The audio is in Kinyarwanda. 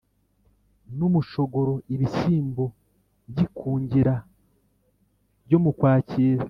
n’umushogoro Ibishyimbo by’ikungira ryo mu Kwakira